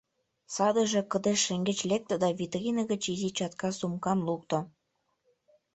Садыже кыдеж шеҥгеч лекте да витрине гыч изи чатка сумкам лукто.